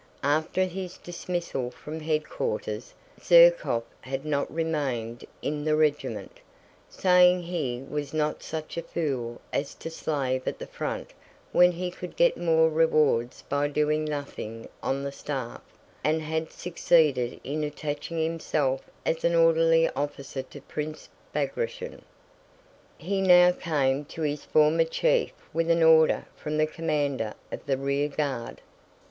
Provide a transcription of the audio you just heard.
After his dismissal from headquarters Zherkóv had not remained in the regiment, saying he was not such a fool as to slave at the front when he could get more rewards by doing nothing on the staff, and had succeeded in attaching himself as an orderly officer to Prince Bagratión. He now came to his former chief with an order from the commander of the rear guard.